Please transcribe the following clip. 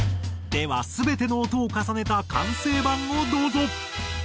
では全ての音を重ねた完成版をどうぞ。